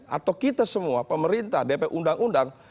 atau kita semua pemerintah dp undang undang